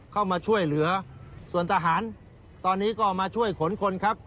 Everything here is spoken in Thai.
เข้ามาช่วยเหลือส่วนทหารตอนนี้ก็มาช่วยขนคนครับ